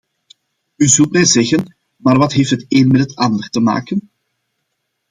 U zult mij zeggen: maar wat heeft het een met het ander te maken?